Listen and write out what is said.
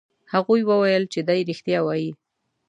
هغوی وویل چې دی رښتیا وایي.